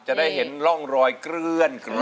จะได้เห็นร่องรอยเกลื้อนกลับ